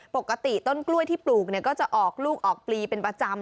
ปกติต้นกล้วยที่ปลูกก็จะออกลูกออกปลีเป็นประจำ